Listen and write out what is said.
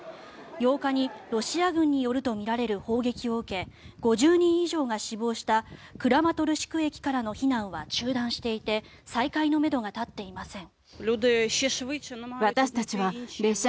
８日にロシア軍によるとみられる砲撃を受け５０人以上が死亡したクラマトルシク駅からの避難は中断していて再開のめどが立っていません。